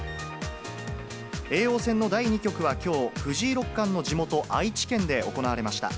叡王戦の第２局はきょう、藤井六冠の地元、愛知県で行われました。